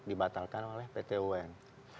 dibatalkan oleh pt un